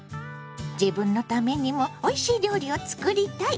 自分のためにもおいしい料理を作りたい！